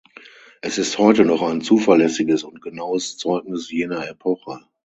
Es ist heute noch ein zuverlässiges und genaues Zeugnis jener Epoche.